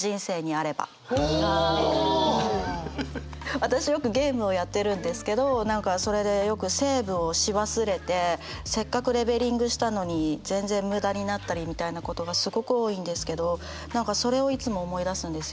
私よくゲームをやってるんですけど何かそれでよくセーブをし忘れてせっかくレベリングしたのに全然無駄になったりみたいなことがすごく多いんですけど何かそれをいつも思い出すんですよね。